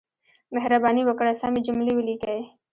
مهرباني وکړئ، سمې جملې وليکئ!